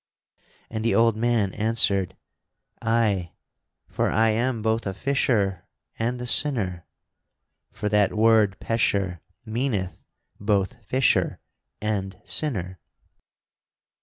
And the old man answered, "Aye, for I am both a fisher and a sinner" (for that word Pecheur meaneth both fisher and sinner).